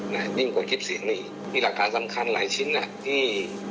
แบบนี้กว่าคลิปเสียงนี่มีรักษาสำคัญหลายชิ้นอ่ะที่